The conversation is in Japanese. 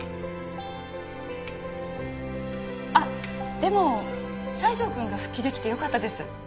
あっでも西条くんが復帰できてよかったです。